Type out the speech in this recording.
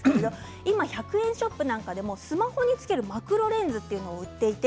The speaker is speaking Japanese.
今１００円ショップなどでもスマホ付けるマクロレンズを売っています。